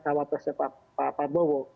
jawab persis pak prabowo